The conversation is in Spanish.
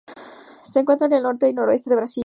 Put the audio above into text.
Se encuentra en el norte y noreste de Brasil.